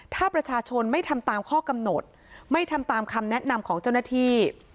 ถ้าประชาชนไม่ทำตามข้อกำหนดไม่ทำตามคำแนะนำของเจ้าหน้าที่